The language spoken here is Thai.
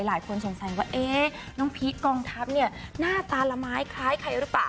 หลายคนสงสัยว่าน้องพีคกองทัพเนี่ยหน้าตาละไม้คล้ายใครหรือเปล่า